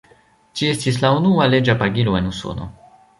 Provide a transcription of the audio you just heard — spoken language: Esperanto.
Ĝi estis la unua leĝa pagilo en Usono.